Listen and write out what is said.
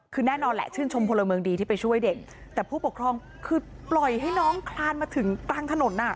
คือแน่นอนแหละชื่นชมพลเมืองดีที่ไปช่วยเด็กแต่ผู้ปกครองคือปล่อยให้น้องคลานมาถึงกลางถนนอ่ะ